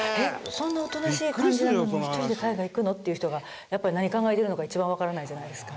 そんなおとなしい感じなのに１人で海外行くの？っていう人がやっぱ何考えてるのか一番わからないじゃないですか。